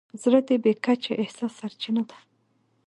زړه د بې کچې احساس سرچینه ده.